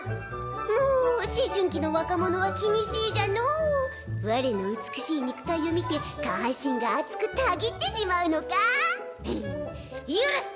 もう思春期の若者は気にしいじゃのう我の美しい肉体を見て下半身が熱くたぎってしまうのか許す！